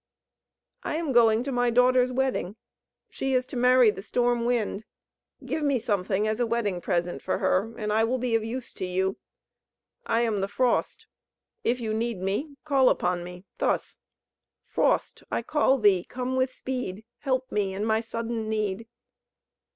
"I am going to my daughter's wedding; she is to marry the Storm wind; give me something as a wedding present for her, and I will be of use to you. I am the Frost; if you need me call upon me thus: 'Frost, I call thee; come with speed; Help me in my sudden need!'"